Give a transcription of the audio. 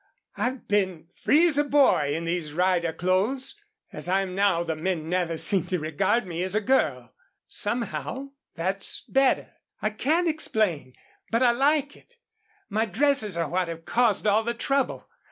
I've been free as a boy in these rider clothes. As I am now the men never seem to regard me as a girl. Somehow that's better. I can't explain, but I like it. My dresses are what have caused all the trouble.